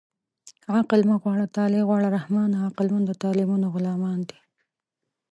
عقل مه غواړه طالع غواړه رحمانه عقلمند د طالعمندو غلامان دي